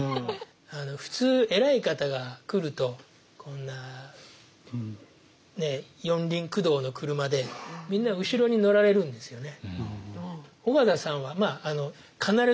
普通偉い方が来るとこんなねえ四輪駆動の車でみんな後ろに乗られるんですよね。